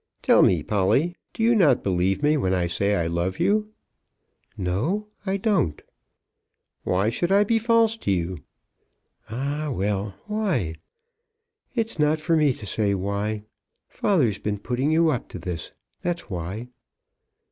Tell me, Polly, do you not believe me when I say I love you?" "No; I don't." "Why should I be false to you?" "Ah; well; why? It's not for me to say why. Father's been putting you up to this. That's why."